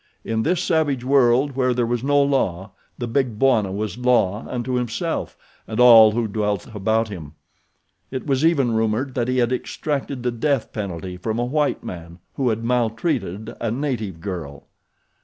In this savage world where there was no law the Big Bwana was law unto himself and all who dwelt about him. It was even rumored that he had extracted the death penalty from a white man who had maltreated a native girl.